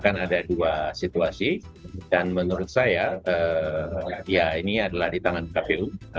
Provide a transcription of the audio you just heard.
karena ada dua situasi dan menurut saya ya ini adalah di tangan pkpu